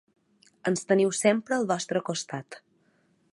Ens teniu sempre al vostre costat.